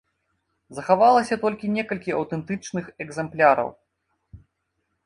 Захавалася толькі некалькі аўтэнтычных экземпляраў.